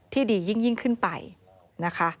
ดียิ่งขึ้นไปนะคะ